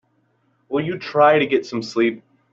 Will you try to get some sleep?